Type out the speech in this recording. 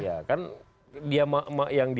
ya kan dia yang